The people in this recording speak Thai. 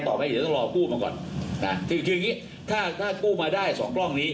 ต่อไปเดี๋ยวต้องรอกู้มาก่อนนะถือจริงงี้ถ้าถ้ากู้มาได้สองกล้องนี้